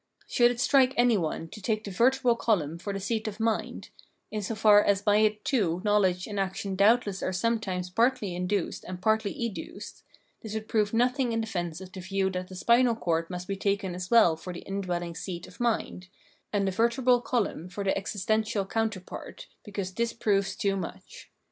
Should it strike any one to take the vertebral column for the seat of mind, in so far as by it too knowledge and action doubtless are sometimes partly induced and partly educed, this would prove nothing in defence of the view that the spinal cord must be taken as well for the indwelling seat of mind, and the vertebral column for the existential counterpart, because this proves too much.